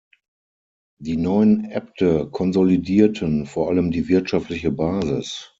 Die neuen Äbte konsolidierten vor allem die wirtschaftliche Basis.